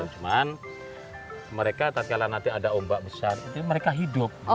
cuman mereka ketika nanti ada ombak besar mereka hidup